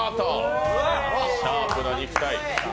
シャープな肉体。